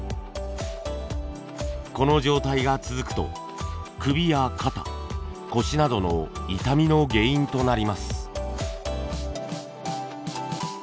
この状態が続くと首や肩腰などの痛みの原因となります。